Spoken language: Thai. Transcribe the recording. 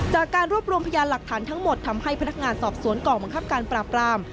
จากการรวบรวมพยานหลักฐานทั้งหมดทำให้พนักงานสอบสวนกองบังคับการปราบราม